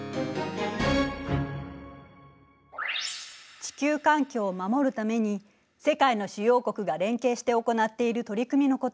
地球環境を守るために世界の主要国が連携して行っている取り組みのこと覚えてる？